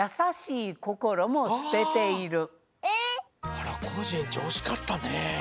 あらコージえんちょうおしかったね。